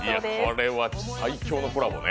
これは最強のコラボね。